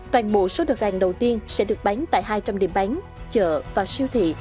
toàn bộ số đợt hàng đầu tiên sẽ được bán tại hai trăm linh điểm bán chợ và siêu thị